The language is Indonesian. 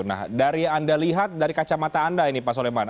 nah dari anda lihat dari kacamata anda ini pak soleman